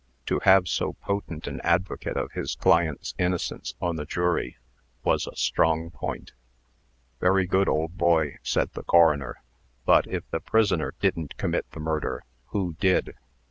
To have so potent an advocate of his client's innocence on the jury, was a strong point. "Very good, old boy," said the coroner; "but, if the prisoner didn't commit the murder, who did?"